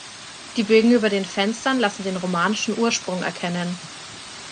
Die Bögen über den Fenstern lassen den romanischen Ursprung erkennen.